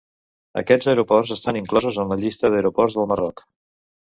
Aquests aeroports estan inclosos en la llista d'aeroports del Marroc.